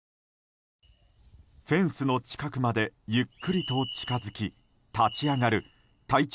フェンスの近くまでゆっくりと近づき、立ち上がる体長